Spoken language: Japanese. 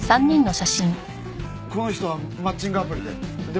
この人はマッチングアプリで。